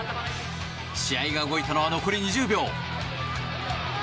試合が動いたのは残り２０秒。